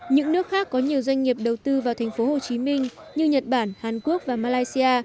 những nước khác có nhiều doanh nghiệp đầu tư vào tp hcm như nhật bản hàn quốc và malaysia